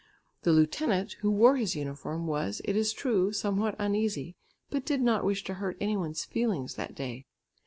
The lieutenant, who wore his uniform, was, it is true, somewhat uneasy, but did not wish to hurt any one's feelings that day.